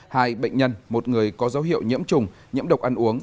hai bệnh nhân một người có dấu hiệu nhiễm trùng nhiễm độc ăn uống